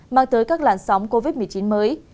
mang tới các làn sóng covid một mươi chín mới